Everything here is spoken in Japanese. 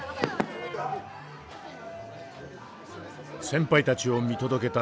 先輩たちを見届けたテッド。